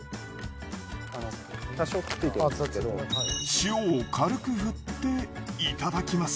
塩を軽くふっていただきます。